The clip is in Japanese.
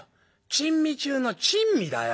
珍味中の珍味だよ。